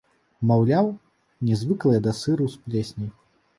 Маўляў, не звыклыя да сыру з плесняй.